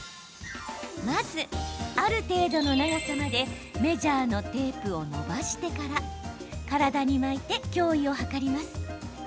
まず、ある程度の長さまでメジャーのテープをのばしてから体に巻いて胸囲を測ります。